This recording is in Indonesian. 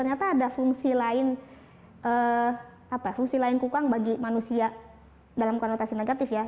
jadi kalau kita lihat fungsi lain kukang bagi manusia dalam konotasi negatif ya